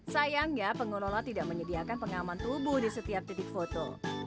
sayangnya pengelola tidak menyediakan pengaman tubuh di setiap titik foto